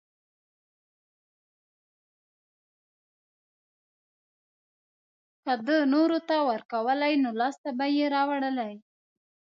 که ده نورو ته ورکولی نو لاسته به يې راوړلی.